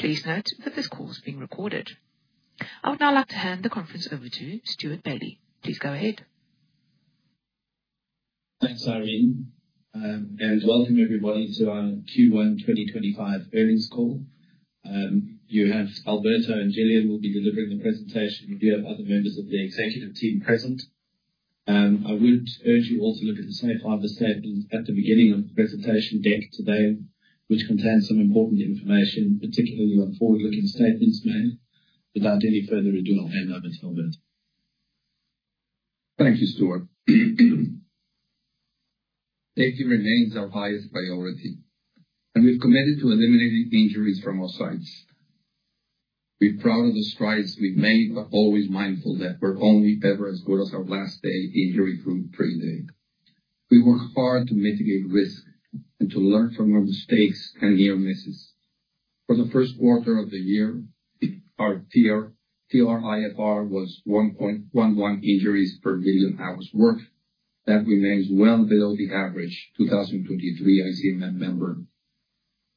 Please note that this call is being recorded. I would now like to hand the conference over to Stewart Bailey. Please go ahead. Thanks, Irene. Welcome everybody to our Q1 2025 earnings call. You have Alberto and Gillian, who will be delivering the presentation. We do have other members of the executive team present. I would urge you also to look at the safe harbor statement at the beginning of the presentation deck today, which contains some important information, particularly on forward-looking statements made. Without any further ado, I'll hand over to Alberto. Thank you, Stewart. Safety remains our highest priority, and we've committed to eliminating injuries from our sites. We're proud of the strides we've made, but always mindful that we're only ever as good as our last day injury-free day. We work hard to mitigate risk and to learn from our mistakes and near misses. For the first quarter of the year, our TRIFR was 1.11 injuries per million hours worked. That remains well below the average 2023 ICMM member.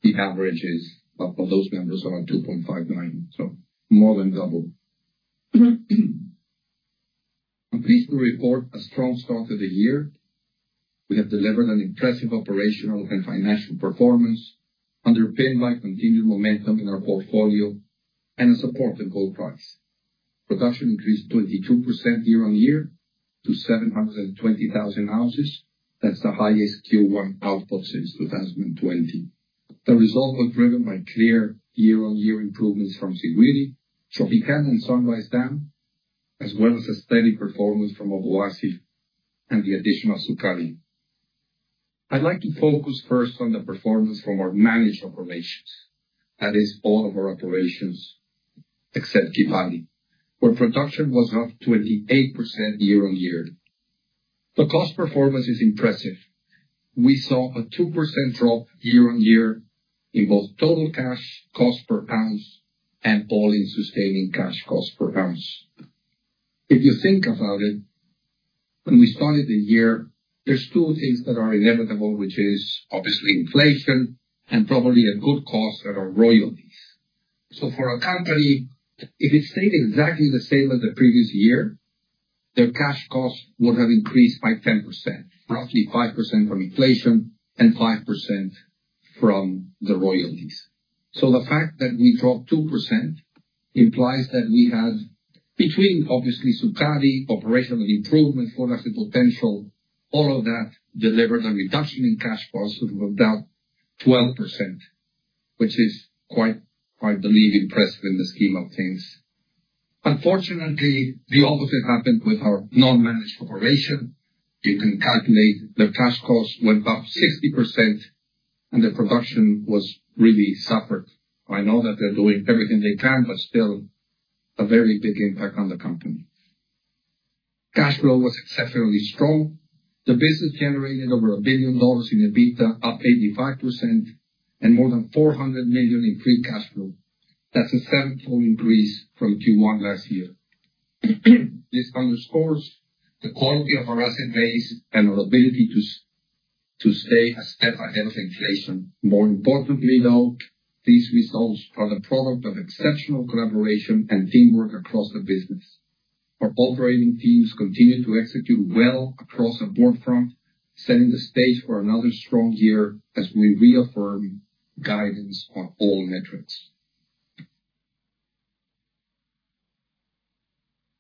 The average is, of those members, around 2.59, so more than double. I'm pleased to report a strong start to the year. We have delivered an impressive operational and financial performance underpinned by continued momentum in our portfolio and a supportive gold price. Production increased 22% year-on-year to 720,000 ounces. That's the highest Q1 output since 2020. The result was driven by clear year-on-year improvements from Siguiri, Tropicana and Sunrise Dam, as well as a steady performance from Obuasi and the addition of Sukari. I'd like to focus first on the performance from our managed operations. That is all of our operations except Kibali, where production was up 28% year-on-year. The cost performance is impressive. We saw a 2% drop year-on-year in both total cash cost per ounce and all-in sustaining cash cost per ounce. If you think about it, when we started the year, there's two things that are inevitable, which is obviously inflation and probably a good cost are our royalties. For a company, if it stayed exactly the same as the previous year, their cash cost would have increased by 10%, roughly 5% from inflation and 5% from the royalties. The fact that we dropped 2% implies that we have between, obviously Sukari, operational improvements, Full Asset Potential, all of that delivered a reduction in cash costs of about 12%, which is quite, I believe, impressive in the scheme of things. Unfortunately, the opposite happened with our non-managed operation. You can calculate the cash cost went up 60% and the production was really suffered. I know that they're doing everything they can, but still a very big impact on the company. Cash flow was exceptionally strong. The business generated over $1 billion in EBITDA, up 85%, and more than $400 million in free cash flow. That's a 7-fold increase from Q1 last year. This underscores the quality of our asset base and our ability to stay a step ahead of inflation. More importantly, though, these results are the product of exceptional collaboration and teamwork across the business. Our operating teams continue to execute well across the board front, setting the stage for another strong year as we reaffirm guidance on all metrics.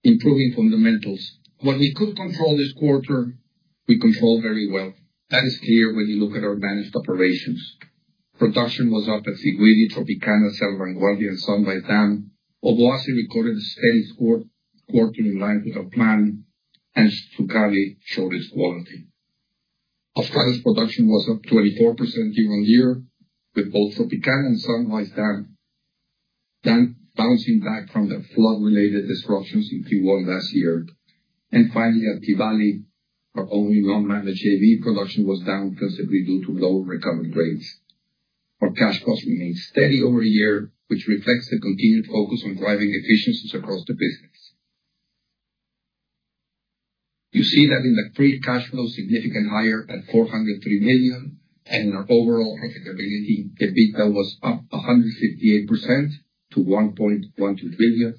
Improving fundamentals. What we could control this quarter, we controlled very well. That is clear when you look at our managed operations. Production was up at Siguiri, Tropicana, Selukwe and Sunrise Dam. Obuasi recorded a steady quarter in line with our plan, and Sukari showed its quality. Australia's production was up 24% year-on-year, with both Tropicana and Sunrise Dam bouncing back from the flood-related disruptions in Q1 last year. Finally, at Kibali, our only non-managed JV production was down considerably due to lower recovery grades. Our cash cost remains steady year-over-year, which reflects the continued focus on driving efficiencies across the business. You see that in the free cash flow, significantly higher at $403 million, and our overall profitability, EBITDA was up 168% to $1.12 billion,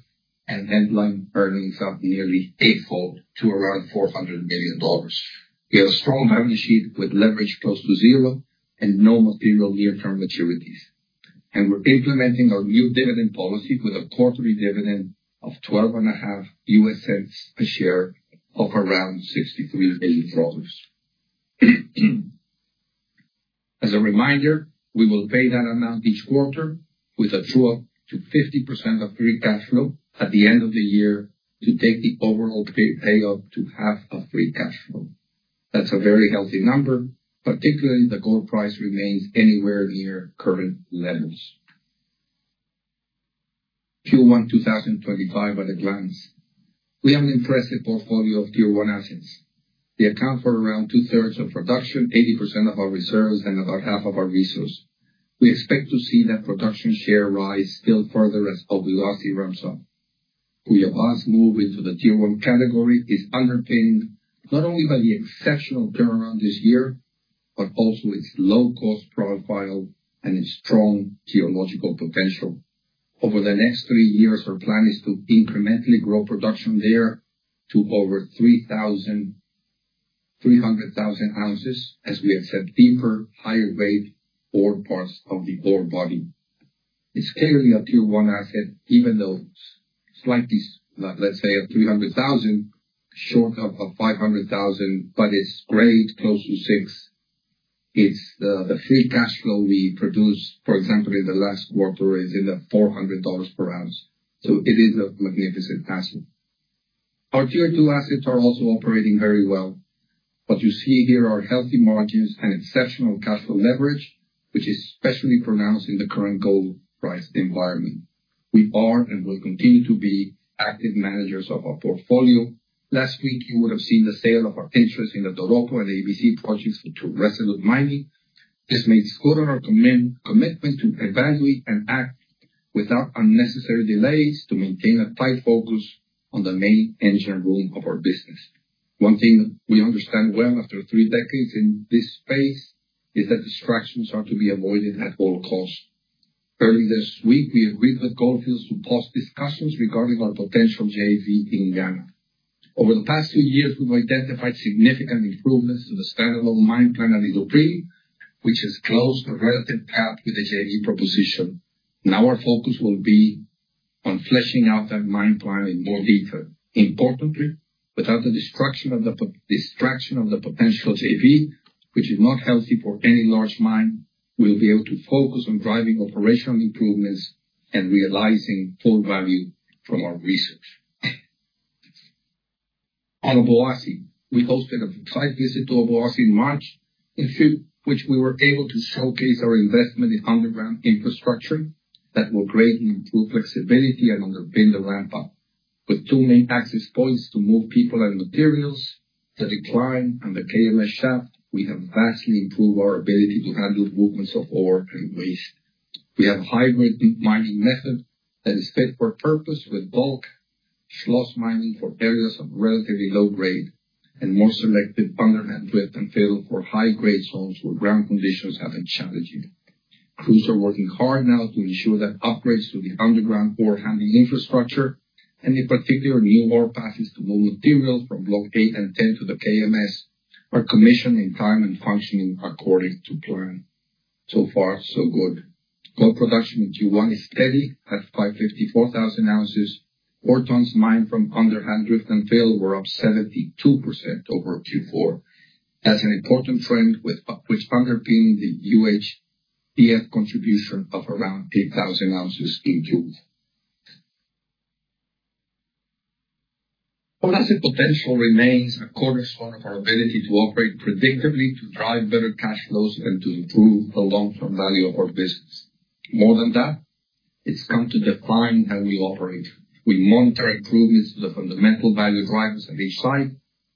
and headline earnings up nearly 8-fold to around $400 million. We have a strong balance sheet with leverage close to zero and no material near-term maturities. We're implementing our new dividend policy with a quarterly dividend of $0.125 a share of around $63 million. As a reminder, we will pay that amount each quarter with a true-up to 50% of free cash flow at the end of the year to take the overall pay up to half of free cash flow. That's a very healthy number, particularly if the gold price remains anywhere near current levels. Q1 2025 at a glance. We have an impressive portfolio of tier 1 assets. They account for around two-thirds of production, 80% of our reserves, and about half of our resource. We expect to see that production share rise still further as Obuasi ramps up. We have asked move into the tier 1 category is underpinned not only by the exceptional turnaround this year, but also its low-cost profile and its strong geological potential. Over the next 3 years, our plan is to incrementally grow production there to over 300,000 ounces as we accept deeper, higher-grade ore parts of the ore body. It's clearly a tier 1 asset, even though slightly, let's say at 300,000, short of 500,000, but its grade close to 6. It's the free cash flow we produce, for example, in the last quarter is in the $400 per ounce, so it is a magnificent asset. Our tier 2 assets are also operating very well. What you see here are healthy margins and exceptional cash flow leverage, which is especially pronounced in the current gold price environment. We are and will continue to be active managers of our portfolio. Last week you would have seen the sale of our interest in the Doropo and ABC projects to Resolute Mining. This makes good on our commitment to evaluate and act without unnecessary delays to maintain a tight focus on the main engine room of our business. One thing we understand well after three decades in this space is that distractions are to be avoided at all costs. Early this week, we agreed with Gold Fields to pause discussions regarding our potential JV in Ghana. Over the past two years, we've identified significant improvements to the stand-alone mine plan at Iduapriem, which has closed the relative gap with the JV proposition. Our focus will be on fleshing out that mine plan in more detail. Importantly, without the distraction of the potential JV, which is not healthy for any large mine, we'll be able to focus on driving operational improvements and realizing full value from our reserve. On Obuasi, we hosted a site visit to Obuasi in March, in which we were able to showcase our investment in underground infrastructure that will greatly improve flexibility and underpin the ramp-up. With two main access points to move people and materials, the decline and the KMS shaft, we have vastly improved our ability to handle movements of ore and waste. We have a high-grade mining method that is fit for purpose with bulk slot mining for areas of relatively low grade, and more selective underground drift and fill for high-grade zones where ground conditions have been challenging. Crews are working hard now to ensure that upgrades to the underground ore-handling infrastructure, and in particular, new ore passes to move material from Block 8 and 10 to the KMS, are commissioned in time and functioning according to plan. So far, so good. Gold production in Q1 is steady at 554,000 ounces. Ores mined from underground drift and fill were up 72% over Q4. That's an important trend which underpin the UHDF contribution of around 8,000 ounces in June. Full Asset Potential remains a cornerstone of our ability to operate predictably, to drive better cash flows, and to improve the long-term value of our business. More than that, it's come to define how we operate. We monitor improvements to the fundamental value drivers at each site,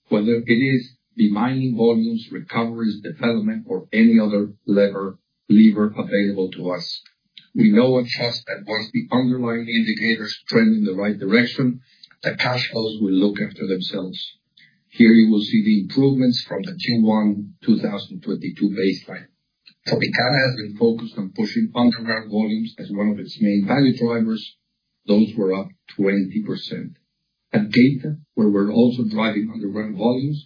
whether it is the mining volumes, recoveries, development, or any other lever available to us. We know and trust that once the underlying indicators trend in the right direction, the cash flows will look after themselves. Here you will see the improvements from the Q1 2022 baseline. Tropicana has been focused on pushing underground volumes as one of its main value drivers. Those were up 20%. At Geita, where we're also driving underground volumes,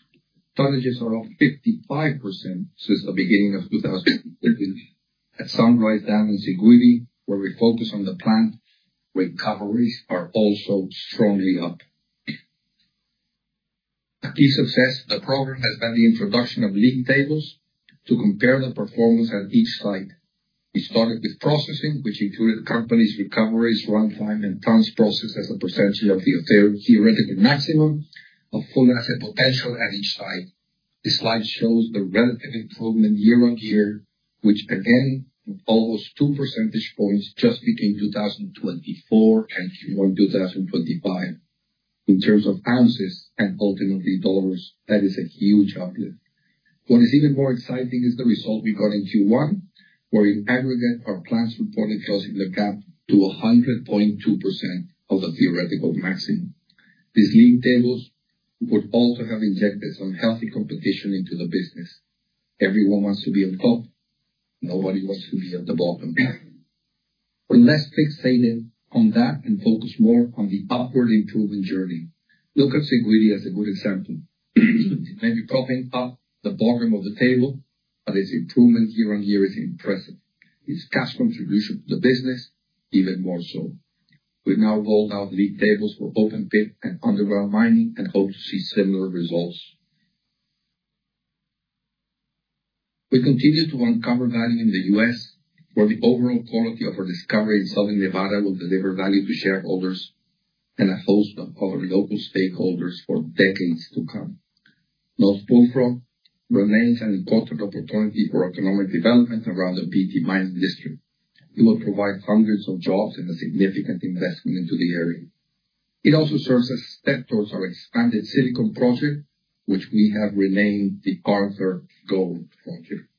tonnages are up 55% since the beginning of 2015. At Sunrise Dam and Siguiri, where we focus on the plant, recoveries are also strongly up. A key success of the program has been the introduction of league tables to compare the performance at each site. We started with processing, which included the company's recoveries, runtime, and tons processed as a percentage of the theoretical maximum of Full Asset Potential at each site. This slide shows the relative improvement year-over-year, which again, almost two percentage points just between 2024 and Q1 2025. In terms of ounces and ultimately dollars, that is a huge uplift. What is even more exciting is the result we got in Q1, where in aggregate our plants reported closing the gap to 100.2% of the theoretical maximum. These league tables would also have injected some healthy competition into the business. Everyone wants to be on top. Nobody wants to be at the bottom. Let's fixate in on that and focus more on the upward improvement journey. Look at Siguiri as a good example. It may be topping up the bottom of the table, but its improvement year-over-year is impressive. Its cash contribution to the business, even more so. We've now rolled out league tables for open pit and underground mining and hope to see similar results. We continue to uncover value in the U.S., where the overall quality of our discovery in Southern Nevada will deliver value to shareholders and a host of other local stakeholders for decades to come. North Bullfrog remains an important opportunity for economic development around the Pioche Mine District. It will provide hundreds of jobs and a significant investment into the area. It also serves as step towards our expanded Silicon project, which we have renamed the Arthur Gold Project.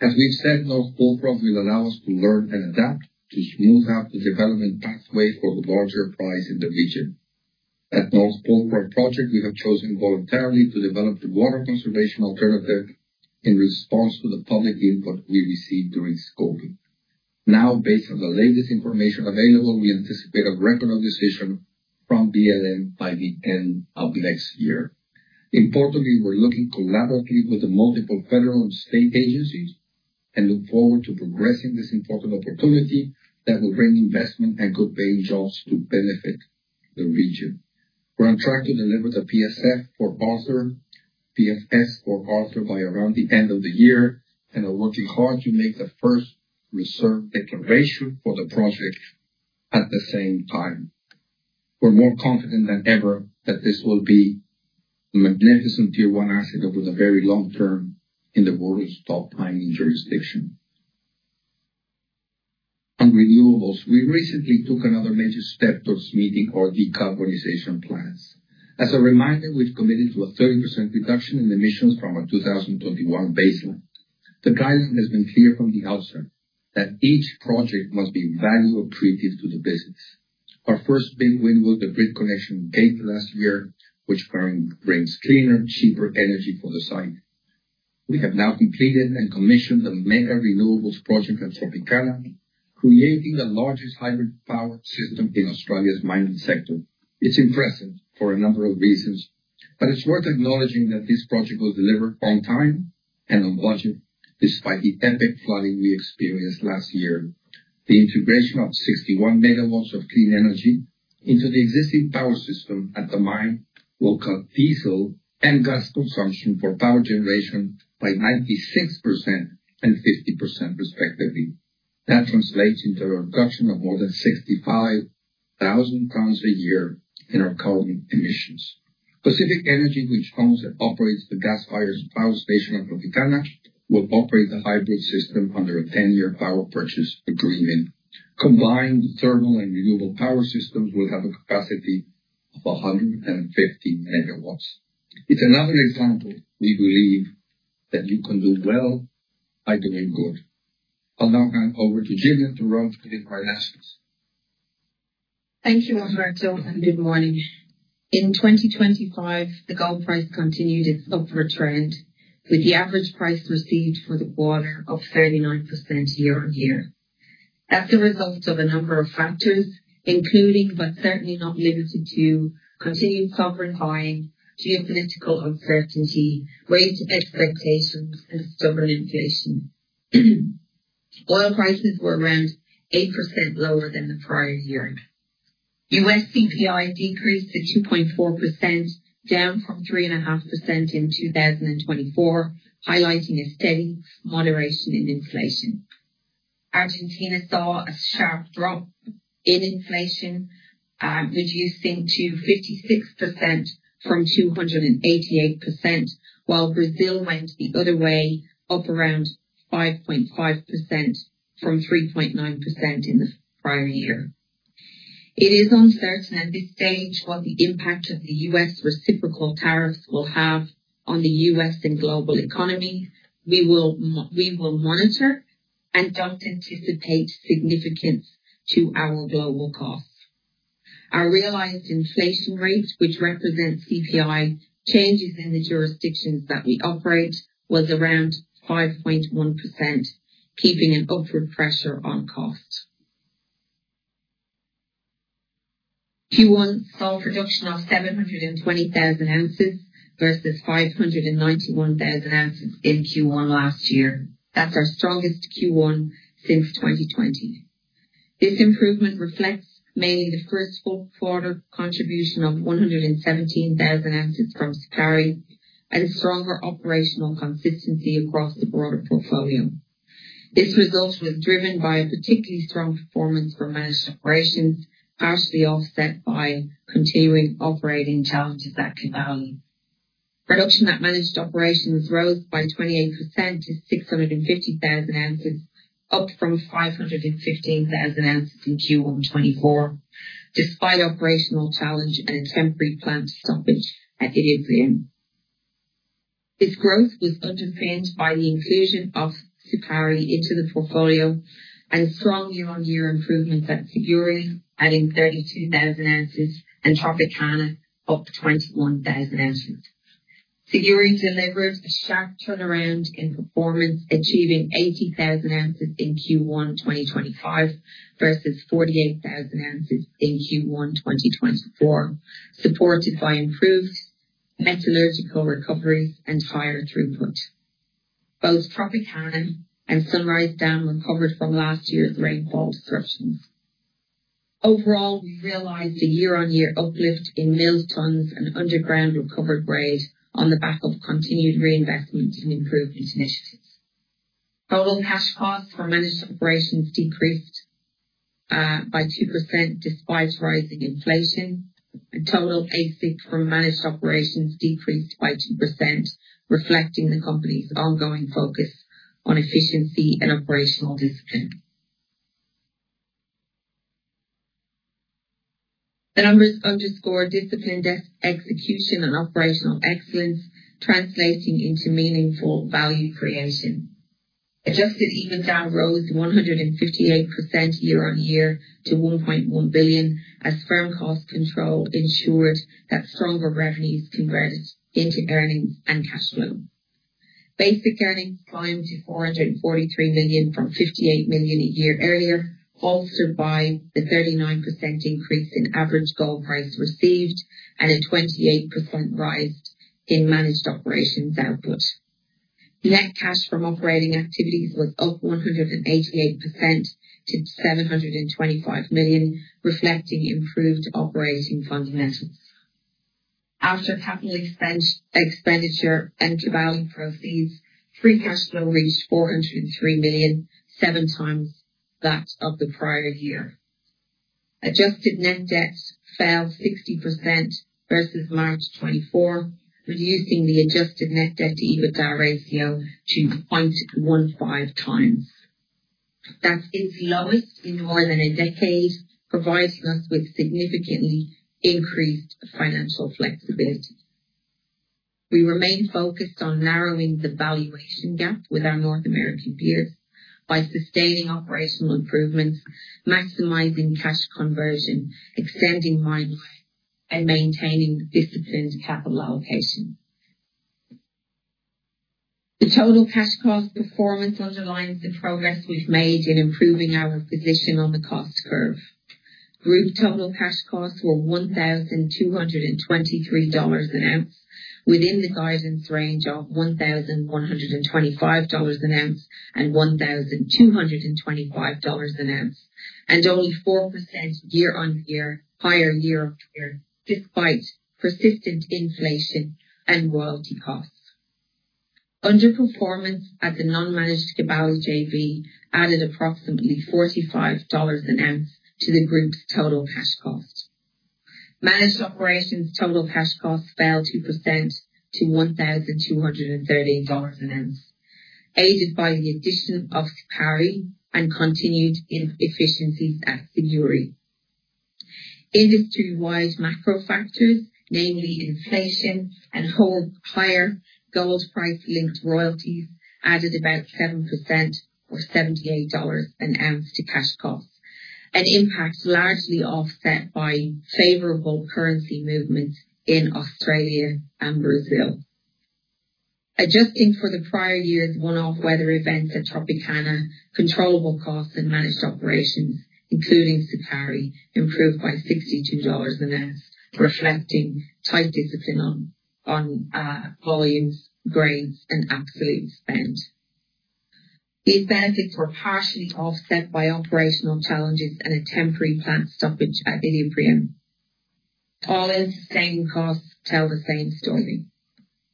As we've said, North Bullfrog will allow us to learn and adapt to smooth out the development pathway for the larger prize in the region. At North Bullfrog project, we have chosen voluntarily to develop the water conservation alternative in response to the public input we received during scoping. Based on the latest information available, we anticipate a record of decision from BLM by the end of next year. Importantly, we're looking collaboratively with the multiple federal and state agencies and look forward to progressing this important opportunity that will bring investment and good-paying jobs to benefit the region. We're on track to deliver the PFS for Arthur by around the end of the year, and are working hard to make the first reserve declaration for the project at the same time. We're more confident than ever that this will be a magnificent tier 1 asset over the very long term in the world's top mining jurisdiction. On renewables, we recently took another major step towards meeting our decarbonization plans. As a reminder, we've committed to a 30% reduction in emissions from a 2021 baseline. The guidance has been clear from the outset that each project must be value accretive to the business. Our first big win was the grid connection we gained last year, which brings cleaner, cheaper energy for the site. We have now completed and commissioned the mega renewables project at Tropicana, creating the largest hybrid power system in Australia's mining sector. It's impressive for a number of reasons, but it's worth acknowledging that this project was delivered on time and on budget, despite the epic flooding we experienced last year. The integration of 61 MW of clean energy into the existing power system at the mine will cut diesel and gas consumption for power generation by 96% and 50% respectively. That translates into a reduction of more than 65,000 tons a year in our current emissions. Pacific Energy, which owns and operates the gas-fired power station at Tropicana, will operate the hybrid system under a 10-year power purchase agreement. Combined, the thermal and renewable power systems will have a capacity of 150 megawatts. It's another example, we believe, that you can do well by doing good. I'll now hand over to Gillian to run through the required assets. Thank you, Alberto. Good morning. In 2025, the gold price continued its upward trend, with the average price received for the quarter up 39% year-on-year. That's a result of a number of factors, including but certainly not limited to continued sovereign buying, geopolitical uncertainty, rate expectations, and stubborn inflation. Oil prices were around 8% lower than the prior year. U.S. CPI decreased to 2.4%, down from 3.5% in 2024, highlighting a steady moderation in inflation. Argentina saw a sharp drop in inflation, reducing to 56% from 288%, while Brazil went the other way, up around 5.5% from 3.9% in the prior year. It is uncertain at this stage what the impact of the U.S. reciprocal tariffs will have on the U.S. and global economy. We will monitor, and don't anticipate significance to our global costs. Our realized inflation rate, which represents CPI changes in the jurisdictions that we operate, was around 5.1%, keeping an upward pressure on cost. Q1 saw production of 720,000 ounces versus 591,000 ounces in Q1 last year. That's our strongest Q1 since 2020. This improvement reflects mainly the first full-quarter contribution of 117,000 ounces from Sukari and stronger operational consistency across the broader portfolio. This result was driven by a particularly strong performance from managed operations, partially offset by continuing operating challenges at Kibali. Production at managed operations rose by 28% to 650,000 ounces, up from 515,000 ounces in Q1 2024, despite operational challenge and a temporary plant stoppage at Iduapriem. This growth was underpinned by the inclusion of Sukari into the portfolio and strong year-on-year improvements at Siguiri, adding 32,000 ounces, and Tropicana, up 21,000 ounces. Siguiri delivered a sharp turnaround in performance, achieving 80,000 ounces in Q1 2025 versus 48,000 ounces in Q1 2024, supported by improved metallurgical recoveries and higher throughput. Both Tropicana and Sunrise Dam recovered from last year's rainfall disruptions. Overall, we realized a year-on-year uplift in mill tons and underground recovered grade on the back of continued reinvestment in improvement initiatives. Total cash costs for managed operations decreased by 2% despite rising inflation, and total AISC for managed operations decreased by 2%, reflecting the company's ongoing focus on efficiency and operational discipline. The numbers underscore disciplined execution and operational excellence translating into meaningful value creation. Adjusted EBITDA rose 158% year-on-year to $1.1 billion as firm cost control ensured that stronger revenues converted into earnings and cash flow. Basic earnings climbed to $443 million from $58 million a year earlier, bolstered by the 39% increase in average gold price received and a 28% rise in managed operations output. Net cash from operating activities was up 188% to $725 million, reflecting improved operating fundamentals. After capital expenditure and Kibali proceeds, free cash flow reached $403 million, seven times that of the prior year. Adjusted net debt fell 60% versus March 2024, reducing the adjusted net debt-to-EBITDA ratio to 0.15 times. That is its lowest in more than a decade, providing us with significantly increased financial flexibility. We remain focused on narrowing the valuation gap with our North American peers by sustaining operational improvements, maximizing cash conversion, extending mine life, and maintaining disciplined capital allocation. The total cash cost performance underlines the progress we've made in improving our position on the cost curve. Group total cash costs were $1,223 an ounce within the guidance range of $1,125 an ounce and $1,225 an ounce, and only 4% year-on-year higher year-on-year, despite persistent inflation and royalty costs. Underperformance at the non-managed Kibali JV added approximately $45 an ounce to the group's total cash cost. Managed operations total cash costs fell 2% to $1,213 an ounce, aided by the addition of Supay and continued efficiencies at Siguiri. Industry-wide macro factors, namely inflation and whole higher gold price-linked royalties, added about 7% or $78 an ounce to cash costs. An impact largely offset by favorable currency movements in Australia and Brazil. Adjusting for the prior year's one-off weather events at Tropicana, controllable costs and managed operations, including Supay, improved by $62 an ounce, reflecting tight discipline on volumes, grades, and absolute spend. These benefits were partially offset by operational challenges and a temporary plant stoppage at Ilimpiani. All-in sustaining costs tell the same story.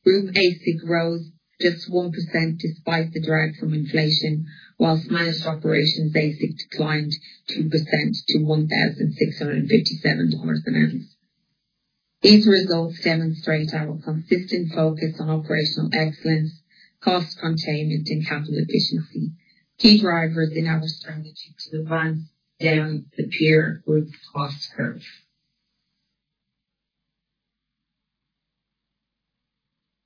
Group AISC rose just 1% despite the drag from inflation, whilst managed operations AISC declined 2% to $1,657 an ounce. These results demonstrate our consistent focus on operational excellence, cost containment, and capital efficiency, key drivers in our strategy to advance down the peer group cost curve.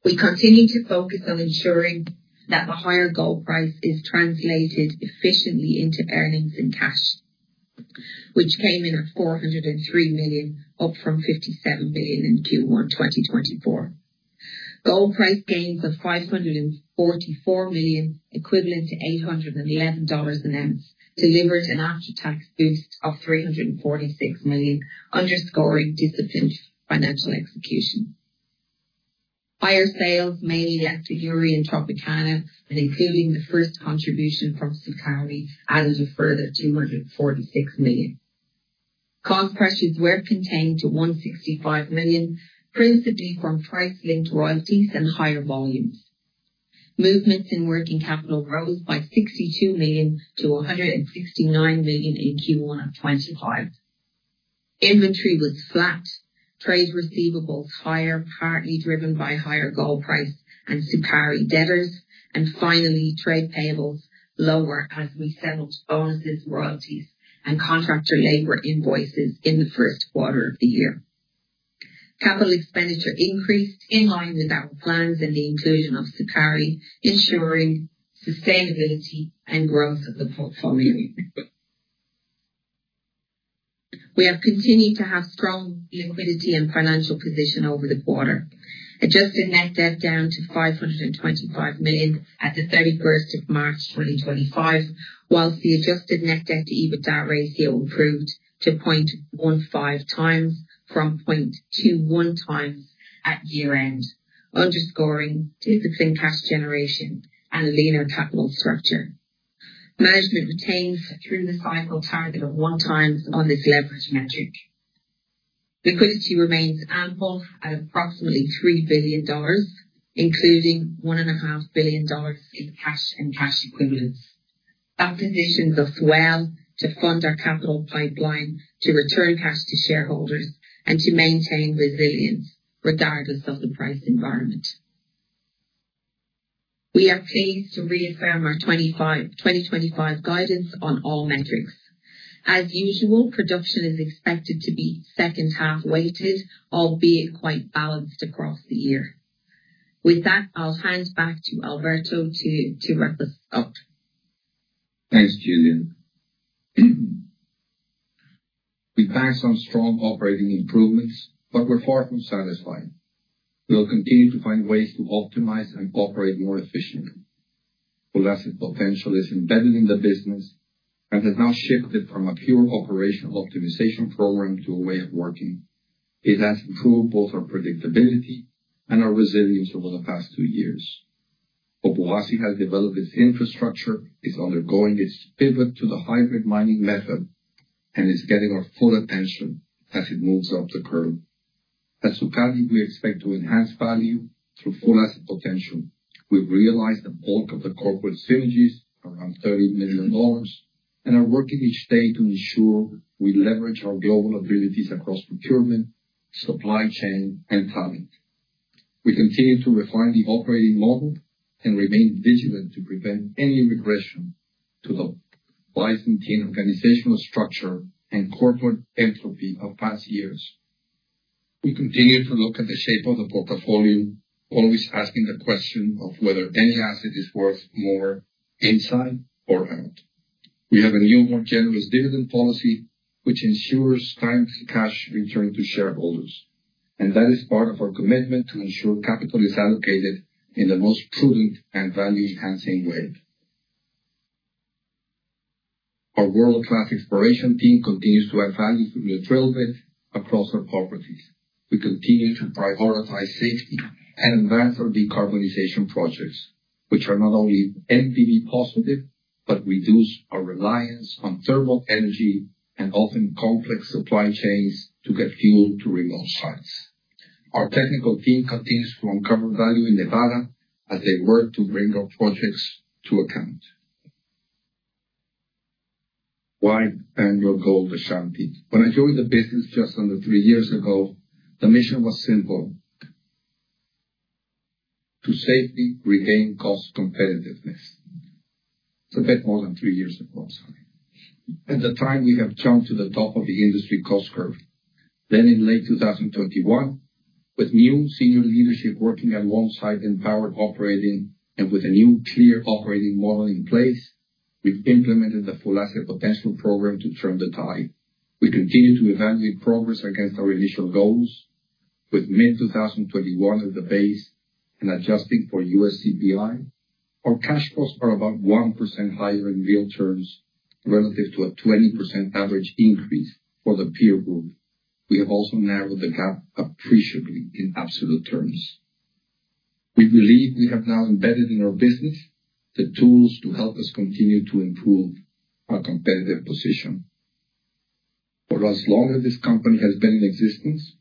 We continue to focus on ensuring that the higher gold price is translated efficiently into earnings and cash, which came in at $403 million, up from $57 million in Q1 2024. Gold price gains of $544 million, equivalent to $811 an ounce, delivered an after-tax boost of $346 million, underscoring disciplined financial execution. Higher sales, mainly at Siguiri and Tropicana, and including the first contribution from Supay, added a further $246 million. Cost pressures were contained to $165 million, principally from price-linked royalties and higher volumes. Movements in working capital rose by $62 million to $169 million in Q1 of 2025. Inventory was flat, trade receivables higher, partly driven by higher gold price and Supay debtors, and finally, trade payables lower as we settled bonuses, royalties, and contractor labor invoices in the first quarter of the year. Capital expenditure increased in line with our plans and the inclusion of Supay, ensuring sustainability and growth of the portfolio. We have continued to have strong liquidity and financial position over the quarter. Adjusted net debt down to $525 million at the 31st of March 2025, whilst the adjusted net debt-to-EBITDA ratio improved to 0.15 times from 0.21 times at year-end, underscoring disciplined cash generation and a leaner capital structure. Management retains through-the-cycle target of 1 times on this leverage metric. Liquidity remains ample at approximately $3 billion, including $1.5 billion in cash and cash equivalents. That positions us well to fund our capital pipeline, to return cash to shareholders, and to maintain resilience regardless of the price environment. We are pleased to reaffirm our 2025 guidance on all metrics. As usual, production is expected to be second half-weighted, albeit quite balanced across the year. With that, I'll hand back to Alberto to wrap us up. Thanks, Gillian. We passed on strong operating improvements. We're far from satisfied. We'll continue to find ways to optimize and operate more efficiently. Full Asset Potential is embedded in the business and has now shifted from a pure operational optimization program to a way of working. It has improved both our predictability and our resilience over the past two years. Obuasi has developed its infrastructure, is undergoing its pivot to the hybrid mining method, and is getting our full attention as it moves up the curve. At Sukari, we expect to enhance value through Full Asset Potential. We've realized the bulk of the corporate synergies, around $30 million, and are working each day to ensure we leverage our global abilities across procurement, supply chain, and talent. We continue to refine the operating model and remain vigilant to prevent any regression to the byzantine organizational structure and corporate entropy of past years. We continue to look at the shape of the portfolio, always asking the question of whether any asset is worth more inside or out. We have a new, more generous dividend policy, which ensures timely cash return to shareholders. That is part of our commitment to ensure capital is allocated in the most prudent and value-enhancing way. Our world-class exploration team continues to add value through new drill bits across our properties. We continue to prioritize safety and advance our decarbonization projects, which are not only NPV positive, reduce our reliance on thermal energy and often complex supply chains to get fuel to remote sites. Our technical team continues to uncover value in Nevada as they work to bring our projects to account. Why AngloGold Ashanti? When I joined the business just under three years ago, the mission was simple, to safely regain cost competitiveness. It's a bit more than three years ago, I'm sorry. At the time, we have jumped to the top of the industry cost curve. In late 2021, with new senior leadership working alongside empowered operating and with a new clear operating model in place, we've implemented the Full Asset Potential program to turn the tide. We continue to evaluate progress against our initial goals. With mid-2021 as the base and adjusting for U.S. CPI, our cash costs are about 1% higher in real terms relative to a 20% average increase for the peer group. We have also narrowed the gap appreciably in absolute terms. We believe we have now embedded in our business the tools to help us continue to improve our competitive position. For as long as this company has been in existence,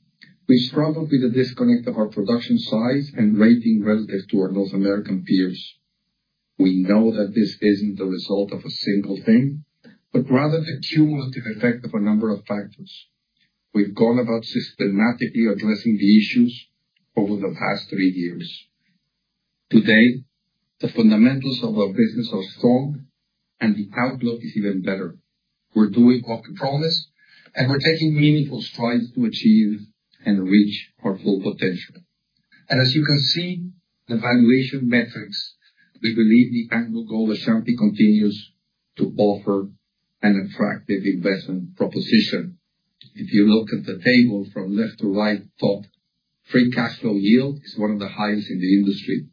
we struggled with the disconnect of our production size and rating relative to our North American peers. We know that this isn't the result of a single thing, but rather the cumulative effect of a number of factors. We've gone about systematically addressing the issues over the past three years. Today, the fundamentals of our business are strong, and the outlook is even better. We're doing what we promised, and we're taking meaningful strides to achieve and reach our Full Asset Potential. As you can see, the valuation metrics, we believe AngloGold Ashanti continues to offer an attractive investment proposition. If you look at the table from left to right top, free cash flow yield is one of the highest in the industry.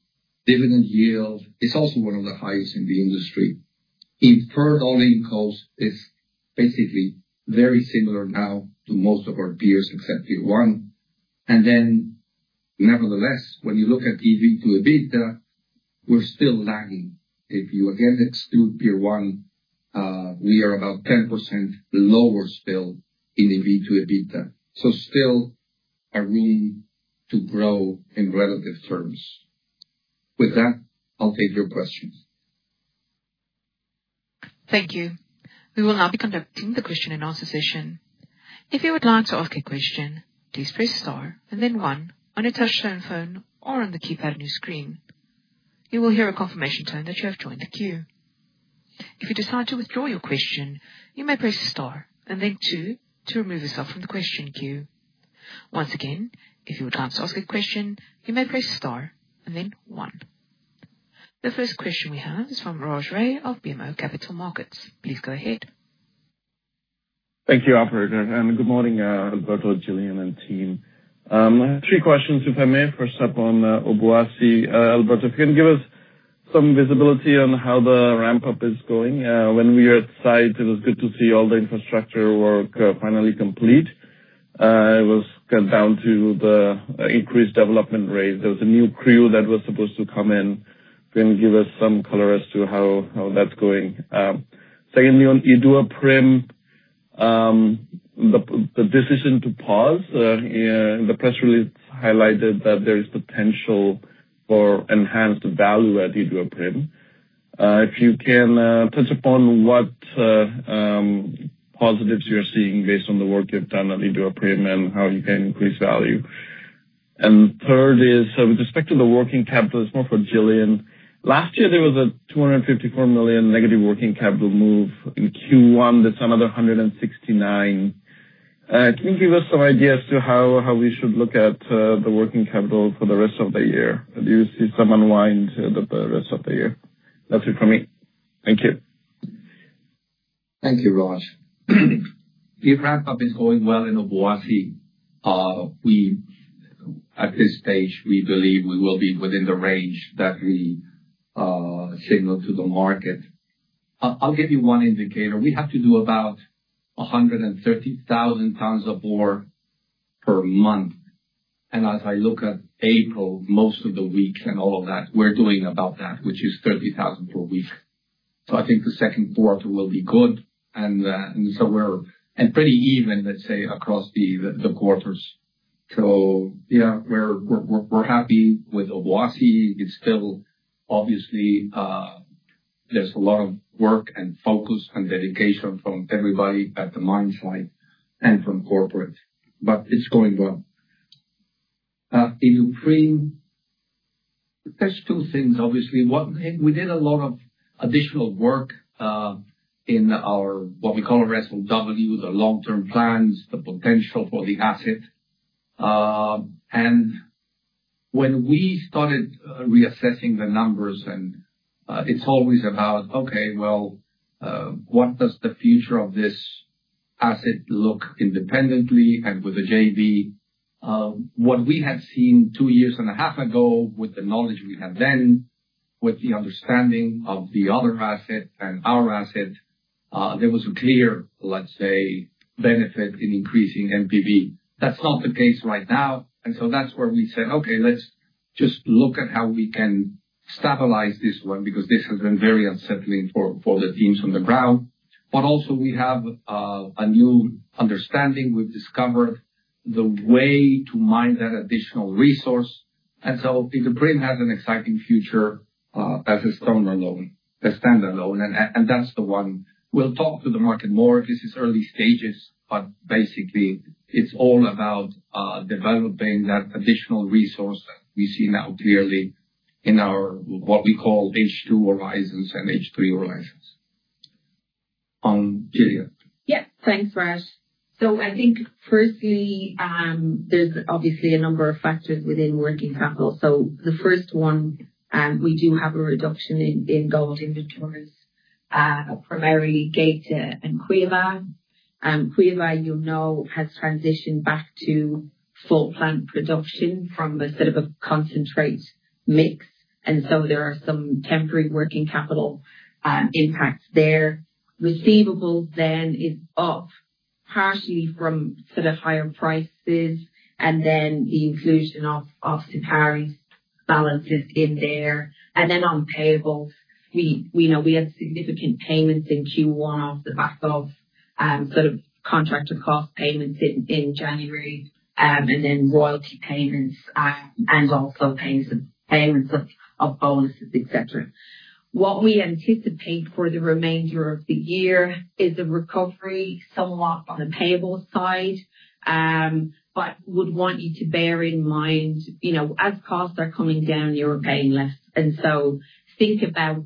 Dividend yield is also one of the highest in the industry. Inferred all-in cost is basically very similar now to most of our peers, except Tier 1. Nevertheless, when you look at EV to EBITDA, we're still lagging. If you again exclude Tier 1, we are about 10% lower still in EV to EBITDA. Still a need to grow in relative terms. With that, I'll take your questions. Thank you. We will now be conducting the question and answer session. If you would like to ask a question, please press star and then 1 on a touch-tone phone or on the keypad on your screen. You will hear a confirmation tone that you have joined the queue. If you decide to withdraw your question, you may press star and then 2 to remove yourself from the question queue. Once again, if you would like to ask a question, you may press star and then 1. The first question we have is from Raj Ray of BMO Capital Markets. Please go ahead. Thank you, operator. Good morning, Alberto, Gillian, and team. I have three questions, if I may. First up on Obuasi. Alberto, if you can give us some visibility on how the ramp-up is going. When we were at site, it was good to see all the infrastructure work finally complete. It was cut down to the increased development rate. There was a new crew that was supposed to come in. Can you give us some color as to how that's going? Secondly, on Iduapriem, the decision to pause. The press release highlighted that there is potential for enhanced value at Iduapriem. If you can touch upon what positives you're seeing based on the work you've done at Iduapriem and how you can increase value. Third is, with respect to the working capital, it's more for Gillian. Last year there was a $254 million negative working capital move in Q1. That's another $169. Can you give us some idea as to how we should look at the working capital for the rest of the year? Do you see some unwind the rest of the year? That's it from me. Thank you. Thank you, Raj. The ramp-up is going well in Obuasi. At this stage, we believe we will be within the range that we signaled to the market. I'll give you one indicator. We have to do about 130,000 tons of ore per month. As I look at April, most of the week and all of that, we're doing about that, which is 30,000 per week. I think the second quarter will be good and pretty even, let's say, across the quarters. Yeah, we're happy with Obuasi. Obviously, there's a lot of work and focus and dedication from everybody at the mine site and from corporate. It's going well. Iduapriem, there's two things, obviously. One, we did a lot of additional work in our, what we call RSOW, the long-term plans, the potential for the asset. When we started reassessing the numbers, it's always about, okay, well, what does the future of this asset look independently and with a JV? What we had seen two years and a half ago with the knowledge we had then, with the understanding of the other asset and our asset, there was a clear, let's say, benefit in increasing NPV. That's not the case right now. That's where we said, "Okay, let's just look at how we can stabilize this one," because this has been very unsettling for the teams on the ground. Also we have a new understanding. We've discovered the way to mine that additional resource. Iduapriem has an exciting future as a standalone. That's the one we'll talk to the market more. This is early stages, basically it's all about developing that additional resource that we see now clearly in our, what we call H2 horizons and H3 horizons. Gillian. Thanks, Raj. I think firstly, there's obviously a number of factors within working capital. The first one, we do have a reduction in gold inventories, primarily Geita and Cuiabá. Cuiabá, you know, has transitioned back to full plant production from a sort of a concentrate mix. There are some temporary working capital impacts there. Receivables is up partially from sort of higher prices and then the inclusion of Sukari's balances in there. On payables, we have significant payments in Q1 off the back of sort of contractor cost payments in January, and then royalty payments, and also payments of bonuses, et cetera. What we anticipate for the remainder of the year is a recovery somewhat on the payable side. Would want you to bear in mind, as costs are coming down, you're paying less. Think about a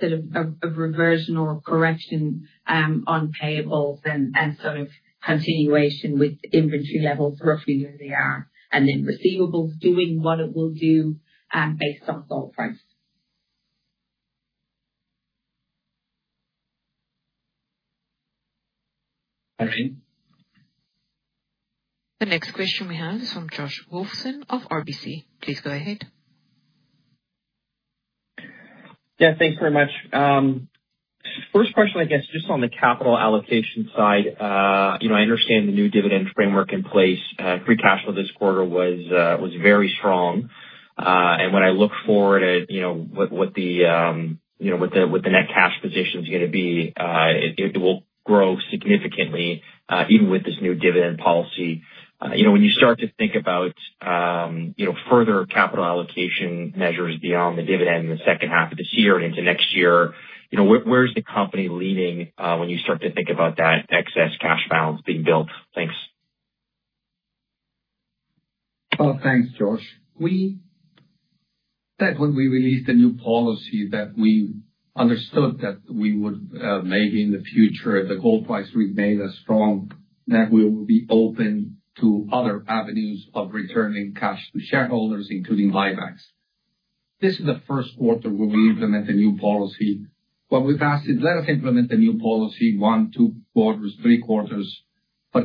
sort of reversion or correction on payables and sort of continuation with inventory levels roughly where they are, receivables doing what it will do based on gold price. Catherine? The next question we have is from Josh Wolfson of RBC. Please go ahead. Thanks very much. First question, I guess, just on the capital allocation side. I understand the new dividend framework in place. Free cash flow this quarter was very strong. When I look forward at what the net cash position is going to be, it will grow significantly even with this new dividend policy. When you start to think about further capital allocation measures beyond the dividend in the second half of this year and into next year, where is the company leaning when you start to think about that excess cash balance being built? Thanks. Well, thanks, Josh. We said when we released the new policy that we understood that we would maybe in the future, if the gold price remained as strong, that we will be open to other avenues of returning cash to shareholders, including buybacks. This is the first quarter where we implement the new policy. What we've asked is let us implement the new policy one, two quarters, three quarters.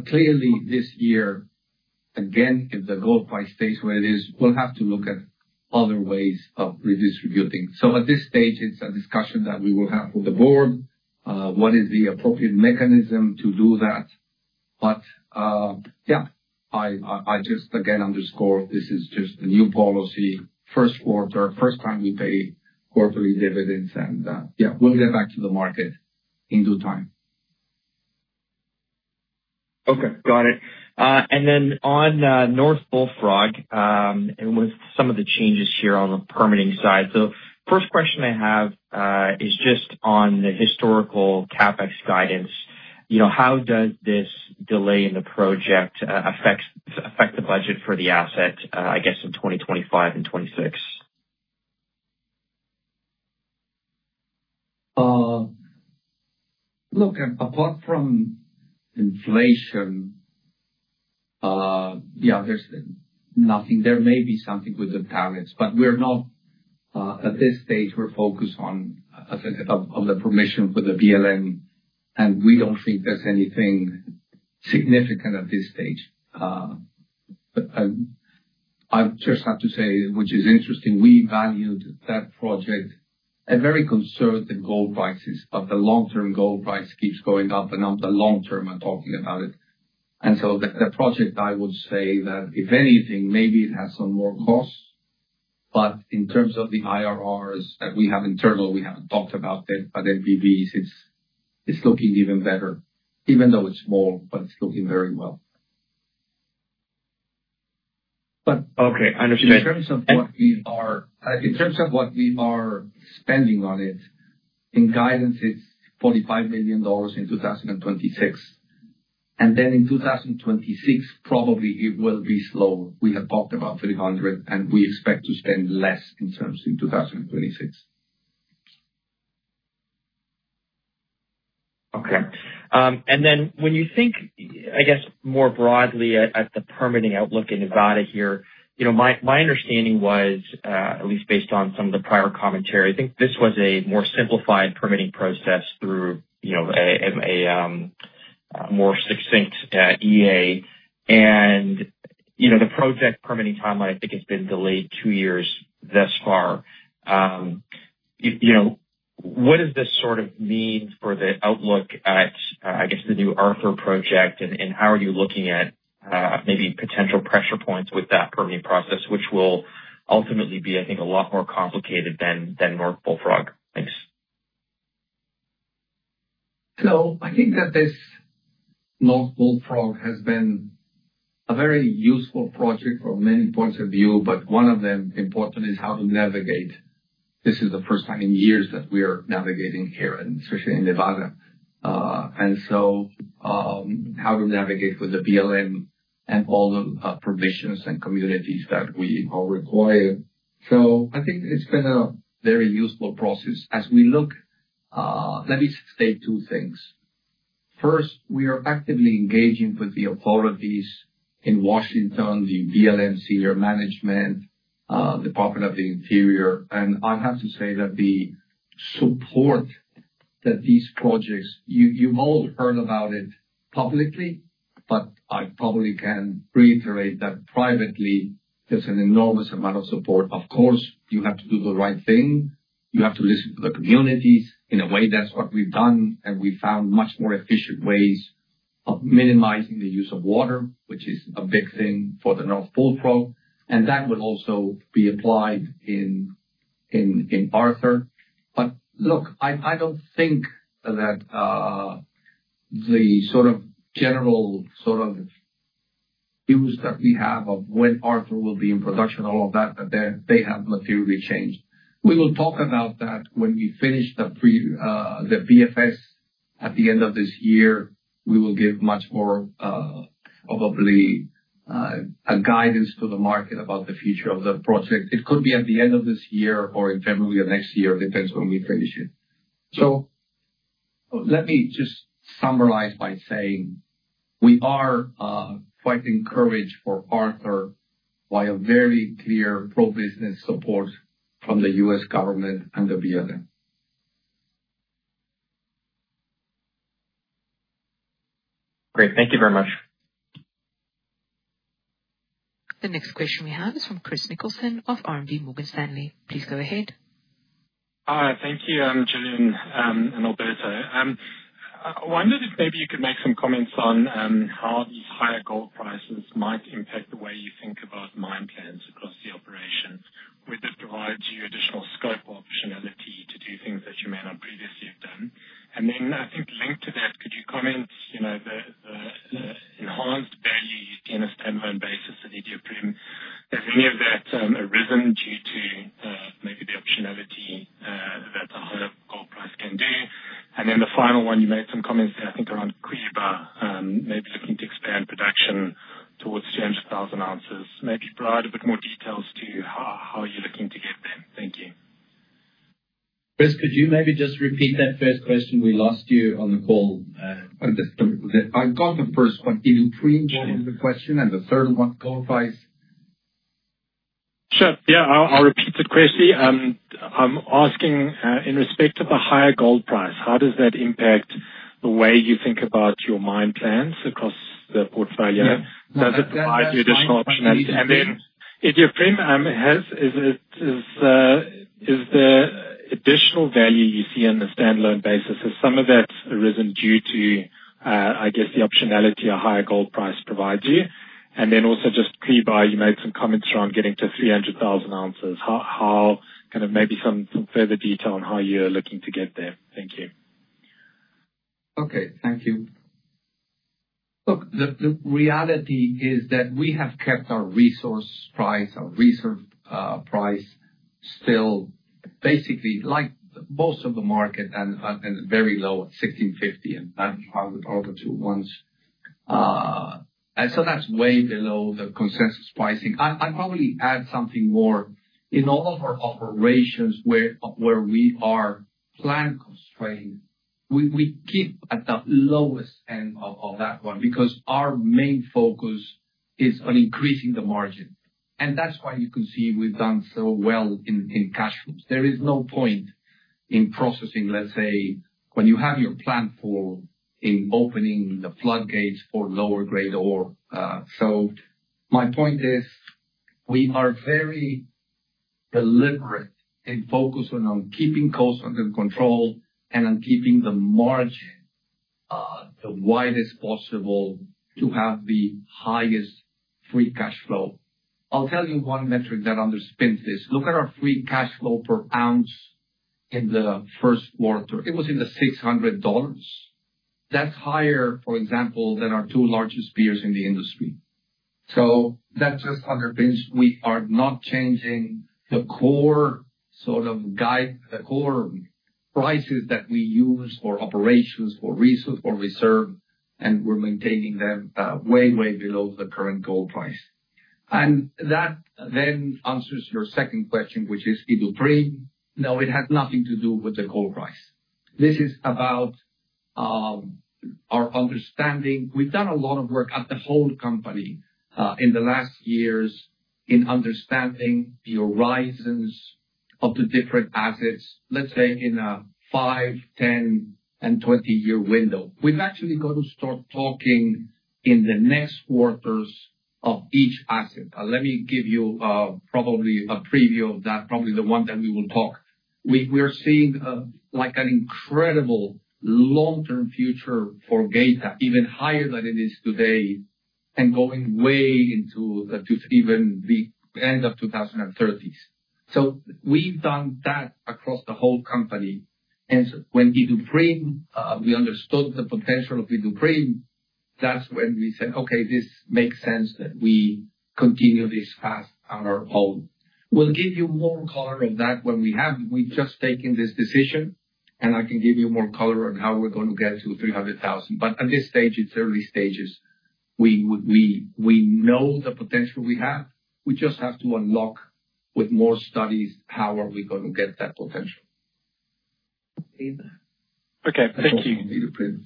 Clearly this year, again, if the gold price stays where it is, we'll have to look at other ways of redistributing. At this stage, it's a discussion that we will have with the board, what is the appropriate mechanism to do that. Yeah, I just again underscore this is just a new policy. First quarter, first time we paid quarterly dividends, and yeah, we'll get back to the market in due time. Okay. Got it. On North Bullfrog, and with some of the changes here on the permitting side. First question I have is just on the historical CapEx guidance. How does this delay in the project affect the budget for the asset, I guess in 2025 and 2026? Look, apart from inflation, yeah, there's nothing. There may be something with the tariffs, at this stage, we're focused on the permission for the BLM, and we don't think there's anything significant at this stage. I just have to say, which is interesting, we valued that project at very conservative gold prices. The long-term gold price keeps going up and up. The long-term, I'm talking about it. The project, I would say that if anything, maybe it has some more costs, but in terms of the IRRs that we have internal, we haven't talked about it, but NPVs, it's looking even better. Even though it's small, but it's looking very well. Okay. Understood. In terms of what we are spending on it, in guidance, it's $45 million in 2026. In 2026, probably it will be slow. We have talked about $300, and we expect to spend less in terms in 2026. Okay. When you think, I guess, more broadly at the permitting outlook in Nevada here, my understanding was, at least based on some of the prior commentary, I think this was a more simplified permitting process through a more succinct EA. The project permitting timeline, I think has been delayed two years thus far. What does this sort of mean for the outlook at, I guess, the new Arthur project and, how are you looking at maybe potential pressure points with that permitting process, which will ultimately be, I think, a lot more complicated than North Bullfrog? Thanks. I think that this North Bullfrog has been a very useful project from many points of view, but one of them important is how to navigate. This is the first time in years that we are navigating here, especially in Nevada. How to navigate with the BLM and all the permissions and communities that we are required. I think it's been a very useful process as we look. Let me state two things. First, we are actively engaging with the authorities in Washington, the BLM, their management, Department of the Interior. I have to say that the support that these projects, you've all heard about it publicly, but I probably can reiterate that privately, there's an enormous amount of support. Of course, you have to do the right thing. You have to listen to the communities. In a way, that's what we've done, and we found much more efficient ways of minimizing the use of water, which is a big thing for the North Bullfrog, and that will also be applied in Arthur. Look, I don't think that the sort of general views that we have of when Arthur will be in production, all of that they have materially changed. We will talk about that when we finish the BFS at the end of this year. We will give much more, probably, a guidance to the market about the future of the project. It could be at the end of this year or in February of next year. It depends when we finish it. Let me just summarize by saying we are quite encouraged for Arthur by a very clear pro-business support from the U.S. government and the BLM. Great. Thank you very much. The next question we have is from Chris Nicholson of Morgan Stanley. Please go ahead. Hi. Thank you, Gillian and Alberto. I wondered if maybe you could make some comments on how these higher gold prices might impact the way you think about mine plans across the operation. Would this provide you additional scope or optionality to do things that you may not previously have done? I think linked to that, could you comment, the enhanced value you see on a standalone basis at Iduapriem, has any of that arisen due to maybe the optionality that the higher gold price can do? The final one, you made some comments there, I think, around Quellaveco, maybe looking to expand production towards 300,000 ounces. Maybe provide a bit more details to how are you looking to get there. Thank you. Chris, could you maybe just repeat that first question? We lost you on the call. Understood. I got the first one. Even fringe on the question and the third one, gold price. Sure. Yeah. I'll repeat the question. I'm asking, in respect of a higher gold price, how does that impact the way you think about your mine plans across the portfolio? Yeah. Does it provide you additional optionality? Iduapriem, is the additional value you see on a standalone basis, has some of that arisen due to, I guess, the optionality a higher gold price provides you? Also just Cuiabá, you made some comments around getting to 300,000 ounces. Maybe some further detail on how you're looking to get there. Thank you. Okay. Thank you. Look, the reality is that we have kept our resource price, our reserve price, still basically like most of the market and very low at $1,650 and $9,000 are the two ones. That's way below the consensus pricing. I'd probably add something more. In all of our operations where we are plan constrained, we keep at the lowest end of that one, because our main focus is on increasing the margin. That's why you can see we've done so well in cash flows. There is no point in processing, let's say, when you have your plan for in opening the floodgates for lower grade ore. My point is, we are very deliberate in focusing on keeping costs under control and on keeping the margin the widest possible to have the highest free cash flow. I'll tell you one metric that underpins this. Look at our free cash flow per ounce in the first quarter. It was in the $600. That's higher, for example, than our two largest peers in the industry. That just underpins we are not changing the core prices that we use for operations, for resource, for reserve, and we're maintaining them way below the current gold price. That answers your second question, which is Idu Prim. No, it has nothing to do with the gold price. This is about our understanding. We've done a lot of work at the whole company, in the last years in understanding the horizons of the different assets, let's say in a five, 10, and 20-year window. We've actually got to start talking in the next quarters of each asset. Let me give you probably a preview of that, probably the one that we will talk. We are seeing an incredible long-term future for Geita, even higher than it is today, and going way into even the end of 2030s. We've done that across the whole company. When Idu Prim, we understood the potential of Idu Prim, that's when we said, "Okay, this makes sense that we continue this path on our own." We'll give you more color on that when we have. We've just taken this decision, and I can give you more color on how we're going to get to 300,000. At this stage, it's early stages. We know the potential we have. We just have to unlock with more studies how are we going to get that potential. Okay. Thank you. I thought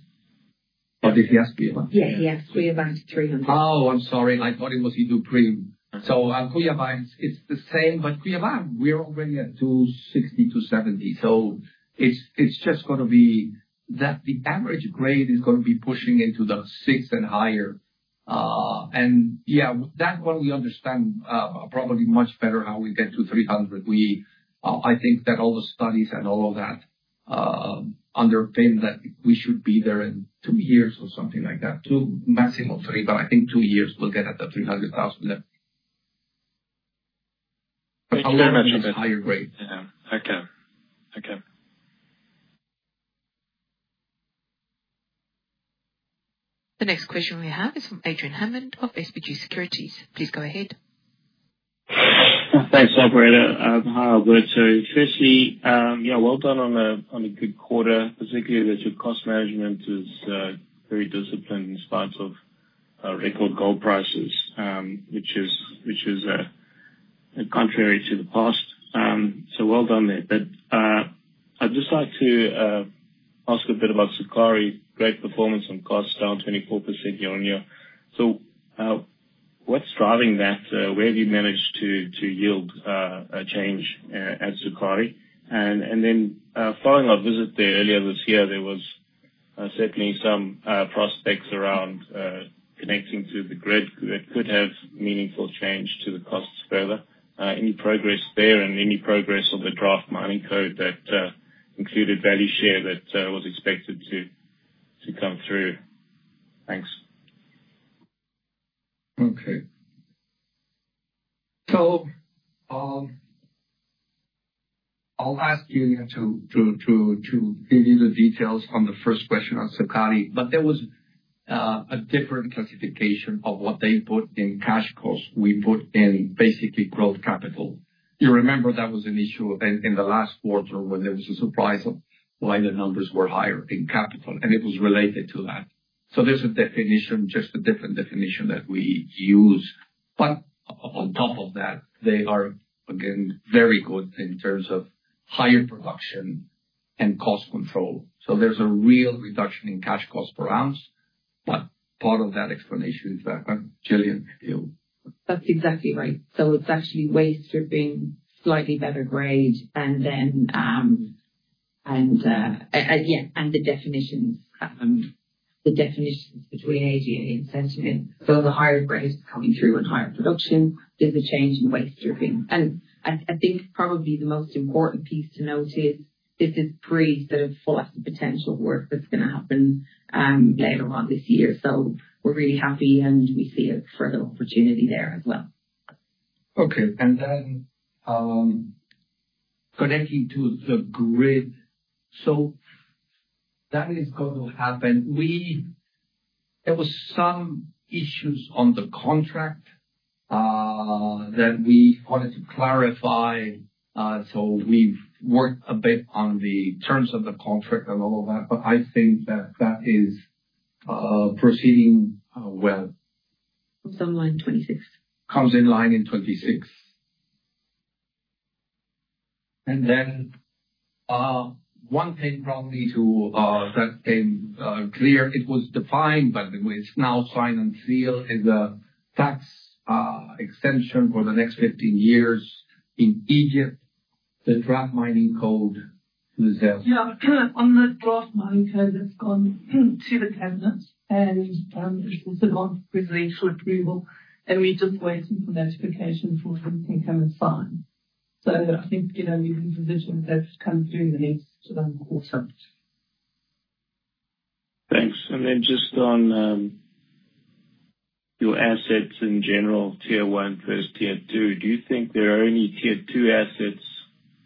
it was Iduapriem. Did he ask Cuiabá? Yeah, he asked Cuiabá 300. Oh, I'm sorry. I thought it was Iduapriem. At Cuiabá it's the same, but Cuiabá we're already at 260, 270. It's just going to be that the average grade is going to be pushing into the 6 and higher. Yeah, that one we understand probably much better how we get to 300. I think that all the studies and all of that underpin that we should be there in two years or something like that. Two, maximum three, I think two years we'll get at the 300,000. It's higher grades. Okay. The next question we have is from Adrian Hammond of SBG Securities. Please go ahead. Thanks, operator. Hi, Alberto. Firstly, well done on a good quarter, particularly that your cost management is very disciplined in spite of record gold prices, which is contrary to the past. Well done there. I'd just like to ask a bit about Sukari great performance on costs down 24% year-on-year. What's driving that? Where have you managed to yield a change at Sukari? Following our visit there earlier this year, there was certainly some prospects around connecting to the grid that could have meaningful change to the costs further. Any progress there and any progress on the draft mining code that included value share that was expected to come through? Thanks. I'll ask Gillian to give you the details on the first question on Sukari, there was a different classification of what they put in cash cost. We put in basically growth capital. You remember that was an issue in the last quarter when there was a surprise of why the numbers were higher in capital, and it was related to that. There's a definition, just a different definition that we use. On top of that, they are again, very good in terms of higher production and cost control. There's a real reduction in cash cost per ounce, part of that explanation is that one. Gillian, you- That's exactly right. It's actually waste stripping, slightly better grade, and the definitions between AGA and Centamin. The higher grades coming through and higher production, there's a change in waste stripping. I think probably the most important piece to note is this is pre Full Asset Potential work that's going to happen later on this year. We're really happy, and we see a further opportunity there as well. Connecting to the grid. That is going to happen. There was some issues on the contract that we wanted to clarify. We've worked a bit on the terms of the contract and all of that, I think that that is proceeding well. Comes online in 2026. Comes online in 2026. One thing from me too that came clear, it was defined, but it's now signed and sealed, is a tax extension for the next 15 years in Egypt, the draft mining code in Brazil. Yeah. On the draft mining code, it's gone to the cabinet, and it's with the board for relational approval, and we're just waiting for notification before anything can be signed. I think these provisions, those come through in the next quarter. Thanks. Just on your assets in general, tier 1 versus tier 2, do you think there are any tier 2 assets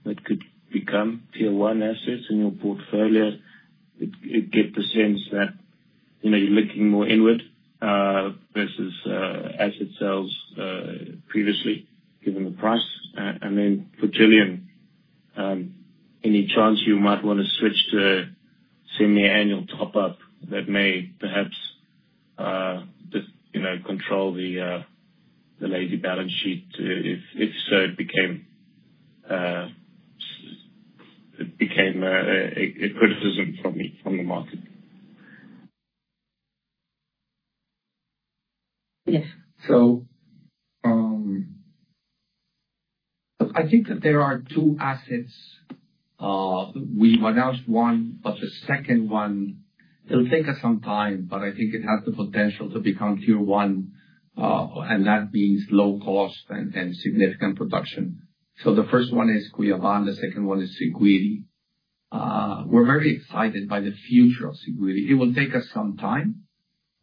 that could become tier 1 assets in your portfolio? You get the sense that you're looking more inward versus asset sales previously, given the price. For Gillian, any chance you might want to switch to semi-annual top up that may perhaps just control the lazy balance sheet, if so it became a criticism from the market. Yes. I think that there are two assets. We've announced one, but the second one, it'll take us some time, but I think it has the potential to become tier 1, and that means low cost and significant production. The first one is Cuiabá, and the second one is Siguiri. We're very excited by the future of Siguiri. It will take us some time,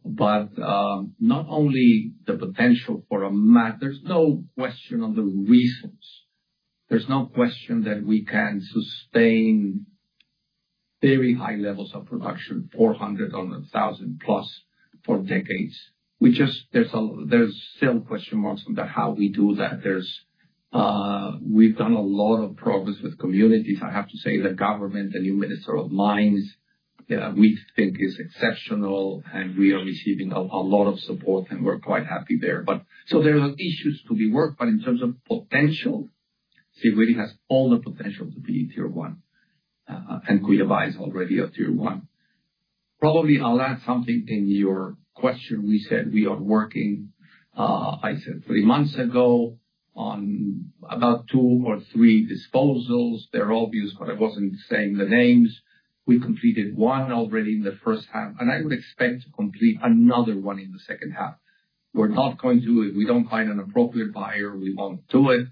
but not only the potential for a matter. There's no question on the resource. There's no question that we can sustain very high levels of production, 400 or 1,000 plus for decades. There's still question marks about how we do that. We've done a lot of progress with communities. I have to say the government, the new minister of mines, we think is exceptional, and we are receiving a lot of support, and we're quite happy there. There are issues to be worked, in terms of potential, Siguiri has all the potential to be tier 1, and Cuiabá is already a tier 1. Probably, I'll add something in your question. We said we are working, I said three months ago, on about two or three disposals. They're obvious, but I wasn't saying the names. We completed one already in the first half, and I would expect to complete another one in the second half. We're not going to if we don't find an appropriate buyer, we won't do it.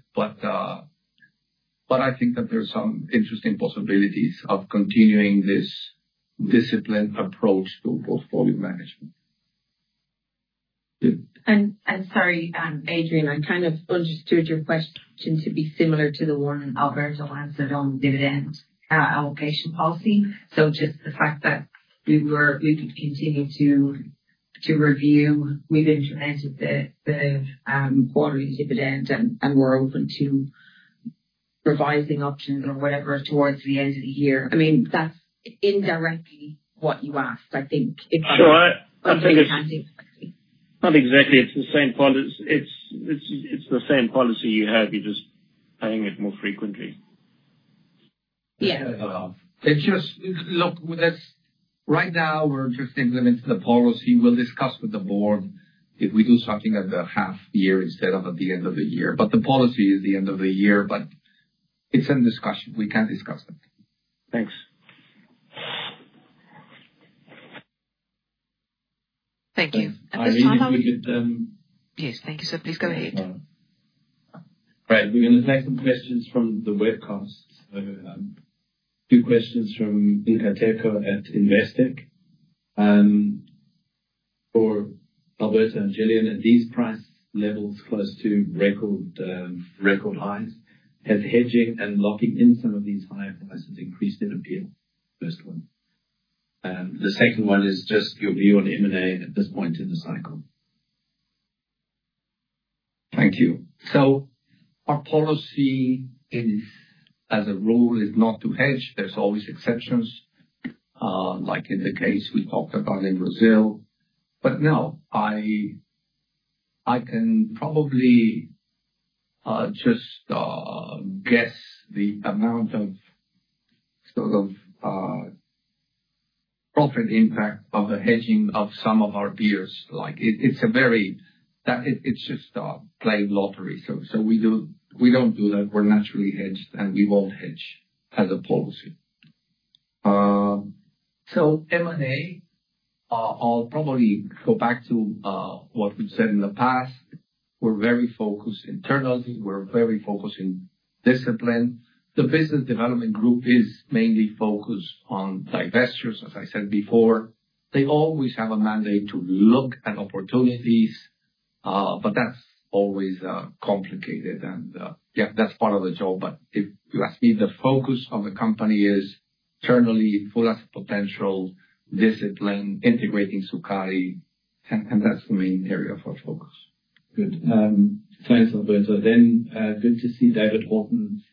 I think that there are some interesting possibilities of continuing this disciplined approach to portfolio management. Sorry, Adrian, I kind of understood your question to be similar to the one Alberto answered on dividend allocation policy. Just the fact that we could continue to review, we've implemented the quarterly dividend, and we're open to revising options or whatever towards the end of the year. I mean, that's indirectly what you asked, I think. Sure. Maybe I can't do exactly. Not exactly. It's the same policy you have, you're just paying it more frequently. Yeah. It's just, look, right now we're just implementing the policy. We'll discuss with the board if we do something at the half year instead of at the end of the year. The policy is the end of the year, but it's in discussion. We can discuss that. Thanks. Thank you. At this time. I think we could. Yes. Thank you, sir. Please go ahead. Right. We're going to take some questions from the webcast. Two questions from Nkateko at Investec for Alberto and Gillian. At these price levels close to record highs, has hedging and locking in some of these higher prices increased in appeal? First one. The second one is just your view on M&A at this point in the cycle. Thank you. Our policy as a rule is not to hedge. There's always exceptions, like in the case we talked about in Brazil. No, I can probably just guess the amount of sort of profit impact of the hedging of some of our peers. It's just playing lottery. We don't do that. We're naturally hedged, and we won't hedge as a policy. M&A, I'll probably go back to what we've said in the past. We're very focused internally. We're very focused in discipline. The business development group is mainly focused on divestitures, as I said before They always have a mandate to look at opportunities, but that's always complicated. Yeah, that's part of the job, but if you ask me, the focus of the company is internally Full Asset Potential, discipline, integrating Sukari, and that's the main area of our focus. Good. Thanks, Alberto. Good to see David Horton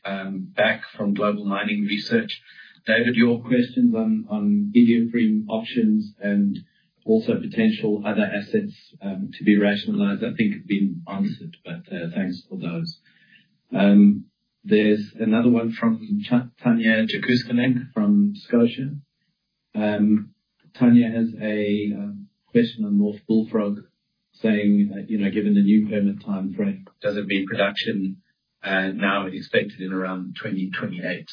back from Global Mining Research. David, your questions on video streaming options and also potential other assets to be rationalized, I think have been answered, but thanks for those. There's another one from Tanya Jakusconek from Scotiabank. Tanya has a question on North Bullfrog saying that, given the new payment time frame, does it mean production now is expected in around 2028?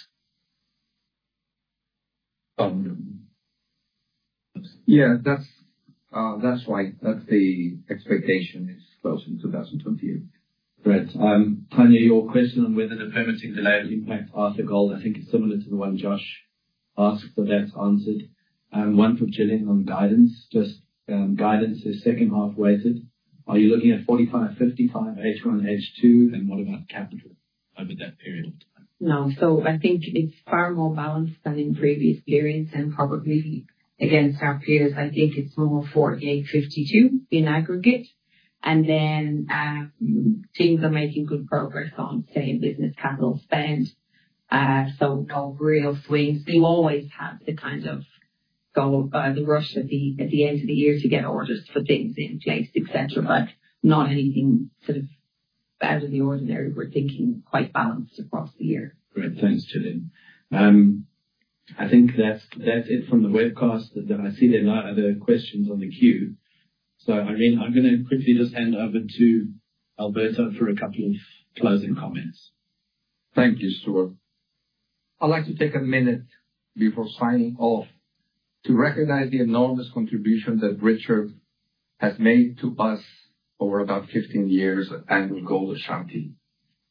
Yeah, that's right. That's the expectation, is close in 2028. Great. Tanya, your question on whether the permitting delay would impact Arthur Gold, I think is similar to the one Josh asked, that's answered. Just guidance is second half weighted. Are you looking at 45, 55 H1, H2, and what about capital over that period of time? No. I think it's far more balanced than in previous periods, and probably against our peers, I think it's more 48, 52 in aggregate. Then, teams are making good progress on sustaining business capital spend, no real swings. You always have to kind of go by the rush at the end of the year to get orders for things in place, et cetera, but not anything sort of out of the ordinary. We're thinking quite balanced across the year. Great. Thanks, Gillian. I think that's it from the webcast. I see there are no other questions on the queue. Irene, I'm gonna quickly just hand over to Alberto for a couple of closing comments. Thank you, Stewart. I'd like to take a minute before signing off to recognize the enormous contribution that Richard has made to us over about 15 years at AngloGold Ashanti.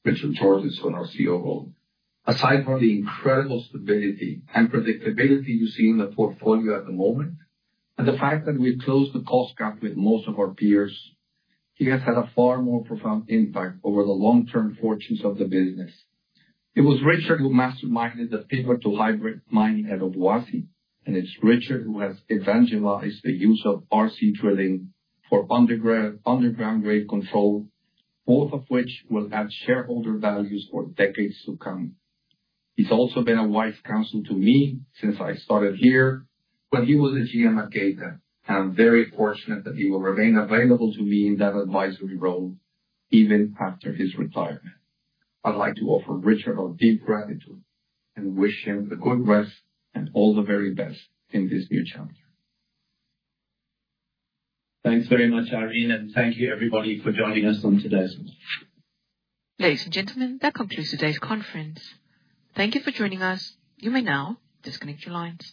Richard Jordinson is on our COO. Aside from the incredible stability and predictability you see in the portfolio at the moment, the fact that we've closed the cost gap with most of our peers, he has had a far more profound impact over the long-term fortunes of the business. It was Richard who masterminded the pivot to hybrid mining at Obuasi, and it's Richard who has evangelized the use of RC drilling for underground grade control, both of which will add shareholder values for decades to come. He's also been a wise counsel to me since I started here when he was a GM at Geita. I'm very fortunate that he will remain available to me in that advisory role even after his retirement. I'd like to offer Richard our deep gratitude and wish him a good rest and all the very best in this new chapter. Thanks very much, Irene. Thank you everybody for joining us on today's call. Ladies and gentlemen, that concludes today's conference. Thank you for joining us. You may now disconnect your lines.